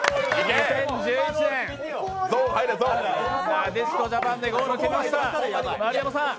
なでしこジャパンでボールを蹴りました、丸山さん。